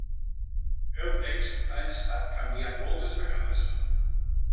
El text ha estat canviat moltes vegades.